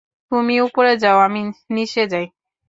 তুমি উপরে যাও, আমি নিচে যাই।